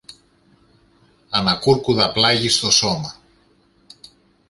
ανακούρκουδα πλάγι στο σώμα.